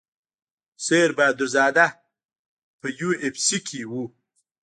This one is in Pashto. سیر بهادر زاده په یو اف سي کې و.